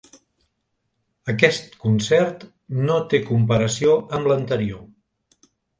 Aquest concert no té comparació amb l'anterior.